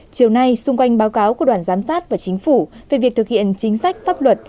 chiều nay xung quanh báo cáo của đoàn giám sát và chính phủ về việc thực hiện chính sách pháp luật